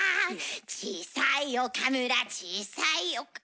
「小さい岡村小さい岡」